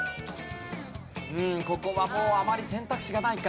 ここはもうあまり選択肢がないか？